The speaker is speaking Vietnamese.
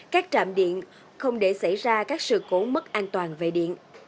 các trạm điện không để xảy ra các sự cố mất an toàn về điện